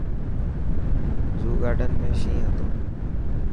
زو گارڊن ۾ شين هتو.